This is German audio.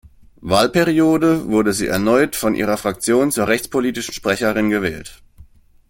Wahlperiode wurde sie erneut von ihrer Fraktion zur rechtspolitischen Sprecherin gewählt.